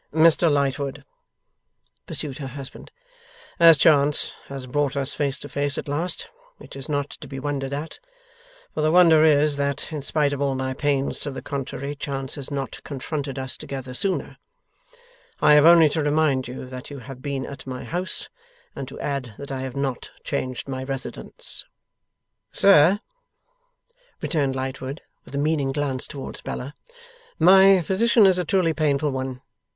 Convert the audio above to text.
'Mr Lightwood,' pursued her husband, 'as chance has brought us face to face at last which is not to be wondered at, for the wonder is, that, in spite of all my pains to the contrary, chance has not confronted us together sooner I have only to remind you that you have been at my house, and to add that I have not changed my residence.' 'Sir' returned Lightwood, with a meaning glance towards Bella, 'my position is a truly painful one.